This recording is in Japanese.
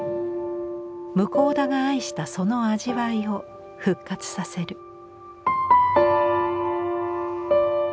向田が愛したその味わいを復活させる。